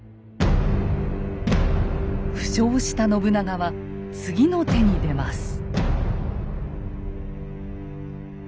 負傷した信長は次の手に出ます。